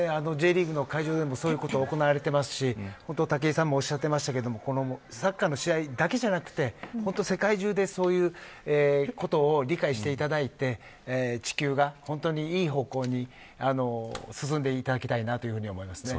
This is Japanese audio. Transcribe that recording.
Ｊリーグの会場でもそういうことが行われていますしサッカーの試合だけじゃなくて世界中で、そういうことを理解していただいて地球が本当にいい方向に進んでいただきたいなと思いますね。